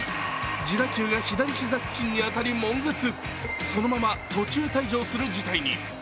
自打球が左座付近に当たり悶絶、そのまま途中退場する事態に。